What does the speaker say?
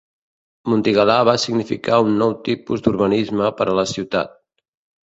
Montigalà va significar un nou tipus d'urbanisme per a la ciutat.